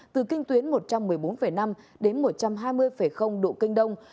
từ kinh tuyến một trăm một mươi bốn năm đến một trăm hai mươi độ kinh đông